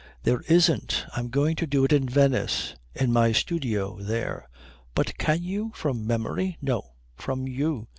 "There isn't. I'm going to do it in Venice. In my studio there." "But can you from memory?" "No. From you."